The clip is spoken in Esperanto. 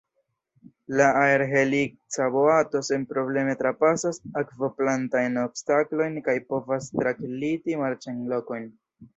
La aerhelica boato senprobleme trapasas akvoplantajn obstaklojn kaj povas tragliti marĉajn lokojn.